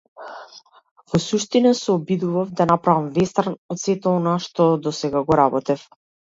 Во суштина, се обидував да направам вестерн од сето она што досега го работев.